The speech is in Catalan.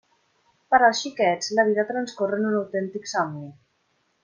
Per als xiquets la vida transcorre en un autèntic somni.